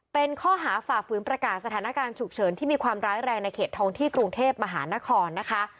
เป็นข้อหาฝ่าฝืนประกาศสถานการณ์ฉุกเฉินที่มีความร้ายแรงในเขตทองที่กรุงเทพมหานครนะคะ